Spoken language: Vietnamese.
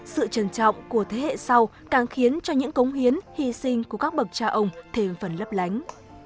sự trân trọng của thế hệ sau càng khiến cho những cống hiến hy sinh của các bậc cha ông thêm phần lấp lánh